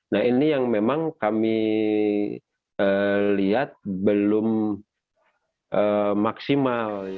nah ini yang memang kami lihat belum maksimal